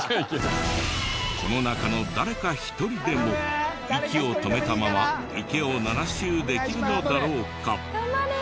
この中の誰か１人でも息を止めたまま池を７周できるのだろうか？